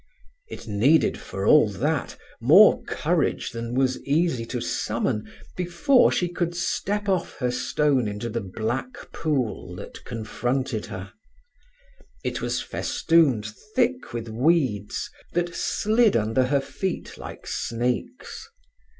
It needed, for all that, more courage than was easy to summon before she could step off her stone into the black pool that confronted her. It was festooned thick with weeds that slid under her feet like snakes.